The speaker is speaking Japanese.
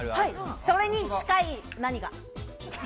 それに近い何か。